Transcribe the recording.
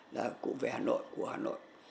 là cụ về hà nội của hà nội